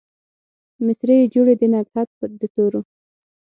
مسرۍ يې جوړې د نګهت د تورو